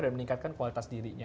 dan meningkatkan kualitas dirinya